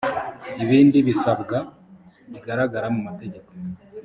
ibindi bisabwa bigaragara mu mategeko